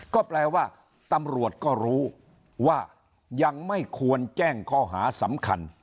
ก็แปลว่าตำรวจก็รู้ว่ายังไม่ควรแจ้งข้อหาสำคัญ